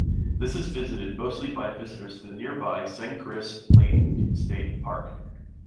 This is visited mostly by visitors to the nearby Sangchris Lake State Park.